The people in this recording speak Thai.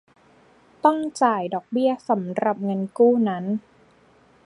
ต้องจ่ายดอกเบี้ยสำหรับเงินกู้นั้น